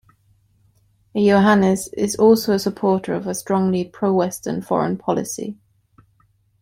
Iohannis is also a supporter of a strongly pro-Western foreign policy.